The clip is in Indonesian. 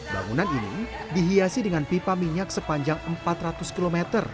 bangunan ini dihiasi dengan pipa minyak sepanjang empat ratus km